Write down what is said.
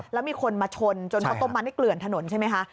แล้วมีคนมาชนจนข้าวต้มมันได้เกลื่อนถนนใช่ไหมคะ